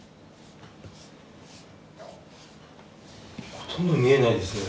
ほとんど見えないですね